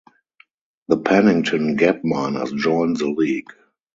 The Pennington Gap Miners joined the league.